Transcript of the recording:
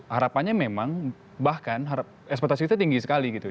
harapannya memang bahkan ekspektasi kita tinggi sekali gitu